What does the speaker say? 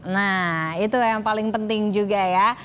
nah itu yang paling penting juga ya